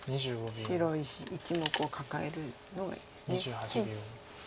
白石１目をカカえるのがいいです。